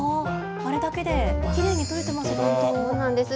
これだけできれいに取れてますよね。